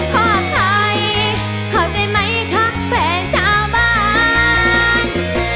ขออภัยเข้าใจไหมคะแฟนชาวบ้าน